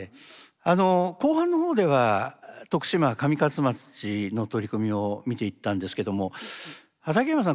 あの後半の方では徳島上勝町の取り組みを見ていったんですけども畠山さん